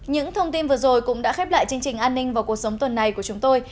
những thông tin vừa rồi cũng đã khép lại chương trình an ninh và cuộc sống tuần này của chúng tôi